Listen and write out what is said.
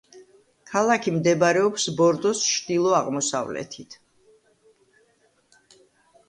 ქალაქი მდებარეობს ბორდოს ჩრდილო-აღმოსავლეთით.